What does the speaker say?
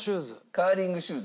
カーリングシューズ？